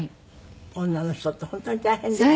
女の人って本当に大変ですよね。